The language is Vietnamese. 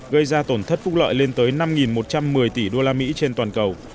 gây ra tổn thất phúc lợi lên tới năm một trăm một mươi tỷ usd trên toàn cầu